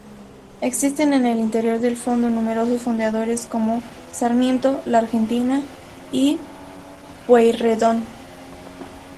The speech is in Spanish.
Existen en el interior del golfo numerosos fondeaderos, como Sarmiento, La Argentina y Pueyrredón.